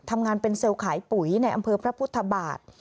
ทำงานเป็นเซลล์ขายปุ๋ยในอำเภอพระพุทธบาท